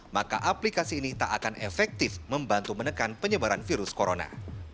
maka aplikasi ini tak akan efektif membantu menekan penyebaran virus corona